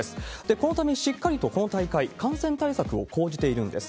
このため、しっかりとこの大会、感染対策を講じているんです。